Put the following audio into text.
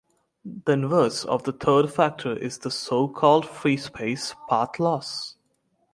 The inverse of the third factor is the so-called free-space path loss.